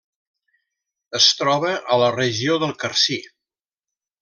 Es troba a la regió del Carcí.